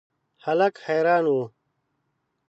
هلک حیران و.